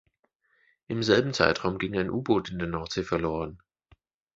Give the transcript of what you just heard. Im selben Zeitraum ging ein U-Boot in der Nordsee verloren.